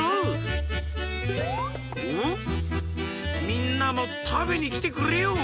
みんなもたべにきてくれよう！